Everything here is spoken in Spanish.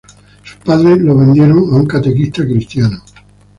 Sus padres lo vendieron a un catequista cristiano.